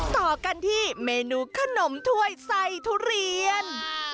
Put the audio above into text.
ต่อกันที่เมนูขนมถ้วยไส้ทุเรียน